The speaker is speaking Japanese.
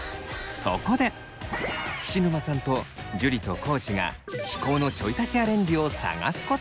そこで菱沼さんと樹と地が至高のちょい足しアレンジを探すことに。